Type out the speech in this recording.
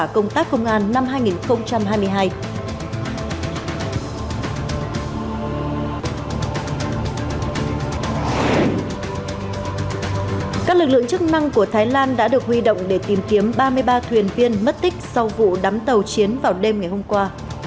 các lực lượng chức năng của thái lan đã được huy động để tìm kiếm ba mươi ba thuyền viên mất tích sau vụ đắm tàu chiến vào đêm ngày hôm qua